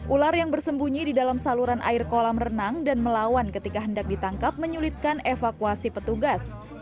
ular yang bersembunyi di dalam saluran air kolam renang dan melawan ketika hendak ditangkap menyulitkan evakuasi petugas